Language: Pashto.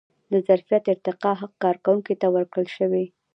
د ظرفیت ارتقا حق کارکوونکي ته ورکړل شوی.